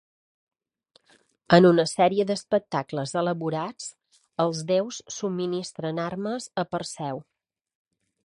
En una sèrie d’espectacles elaborats, els déus subministren armes a Perseu.